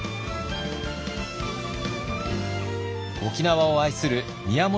沖縄を愛する宮本